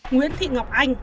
nguyễn thị ngọc anh